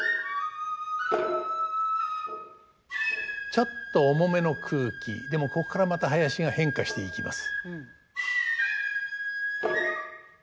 ちょっと重めの空気でもここからまた囃子が変化していきます。